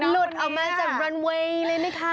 หลุดออกมาจากบรันเวย์เลยนะคะ